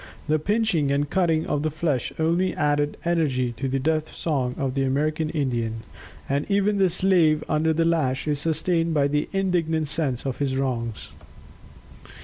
The pinching and cutting of the flesh only added energy to the death song of the American Indian, and even the slave under the lash is sustained by the indignant sense of his wrongs."